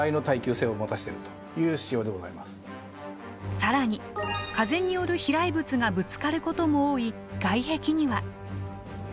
更に風による飛来物がぶつかることも多い外壁には。